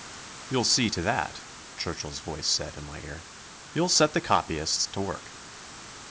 "You'll see to that," Churchill's voice said in my ear. "You'll set the copyists to work."